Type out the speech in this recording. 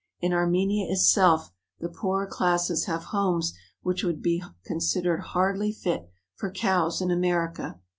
In Armenia itself the poorer classes have homes which would be considered hardly fit for cows in America.